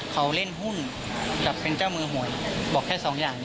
ครับก็จะได้